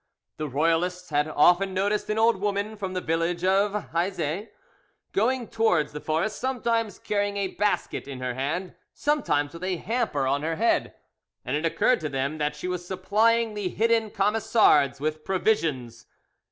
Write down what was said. The royalists had often noticed an old woman from the village of Hieuzet going towards the forest, sometimes carrying a basket in her hand, sometimes with a hamper on her head, and it occurred to them that she was supplying the hidden Camisards with provisions.